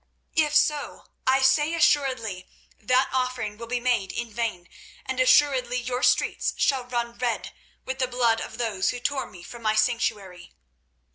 If so, I say assuredly that offering will be made in vain, and assuredly your streets shall run red with the blood of those who tore me from my sanctuary."